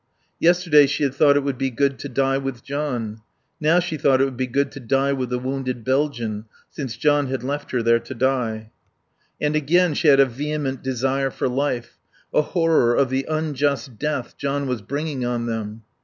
Yesterday she had thought it would be good to die with John. Now she thought it would be good to die with the wounded Belgian, since John had left her there to die. And again, she had a vehement desire for life, a horror of the unjust death John was bringing on them.